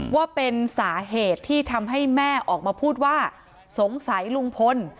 ว่าเป็นสาเหตุที่ทำให้แม่ออกมาพูดว่าสงสัยลุงพล